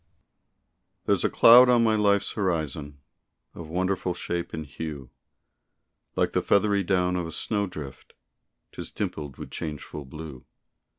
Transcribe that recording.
There's a cloud on my life's horizon Of wonderful shape and hue, Like the feathery down of a snow drift 'Tis dimpled with changeful blue.